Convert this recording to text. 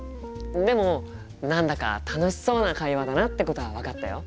でも何だか楽しそうな会話だなってことは分かったよ。